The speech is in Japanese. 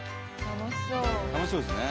楽しそうですね。